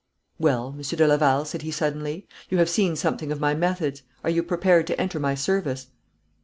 'Well, Monsieur de Laval,' said he suddenly, 'you have seen something of my methods. Are you prepared to enter my service?'